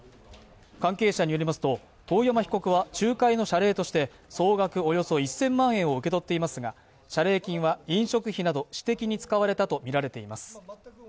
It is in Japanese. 関係者によりますと、遠山被告は仲介の謝礼として総額およそ１０００万円を受け取っていますが謝礼金は飲食費など私的に使われたとみられています。